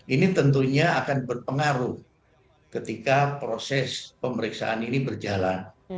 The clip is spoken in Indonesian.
ini tentunya akan berpengaruh ketika proses pemeriksaan ini berjalan